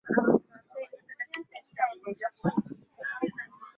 Hakudiriki kusitisha mapambano alipoona maelfu ya watu wake wakiteketezwa kwa risasi